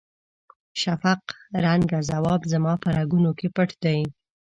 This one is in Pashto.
شفق رنګه ځواب زما په رګونو کې پټ دی.